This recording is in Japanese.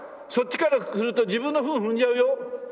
そっちから来ると自分のフン踏んじゃうよ。